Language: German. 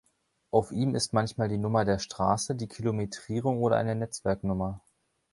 Auf ihm ist manchmal die Nummer der Straße, die Kilometrierung oder eine Netzwerk-Nr.